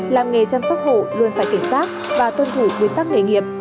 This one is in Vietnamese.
làm nghề chăm sóc hộ luôn phải kiểm soát và tuân thủ quyết tắc nghề nghiệp